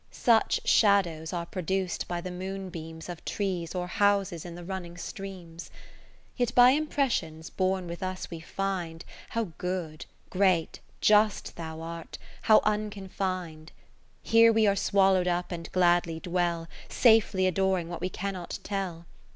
Such shadows are produc'd by the moon beams Of trees or houses in the running streams. 20 Yet by impressions born with us we find How good, great, just Thou art, how unconfin'd. Here we are swallowed up and gladly dwell. Safely adoring what we cannot tell.